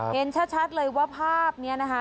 เห็นชัดเลยว่าภาพนี้นะคะ